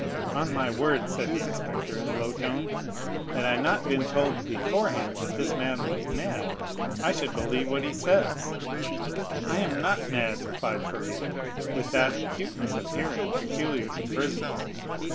"On my word," said the inspector in a low tone, "had I not been told beforehand that this man was mad, I should believe what he says." "I am not mad," replied Faria, with that acuteness of hearing peculiar to prisoners.